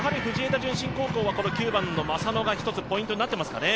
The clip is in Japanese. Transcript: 順心高校はこの９番の正野が一つポイントになってますかね。